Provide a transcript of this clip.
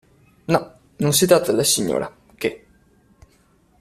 No, non si tratta della signora, che.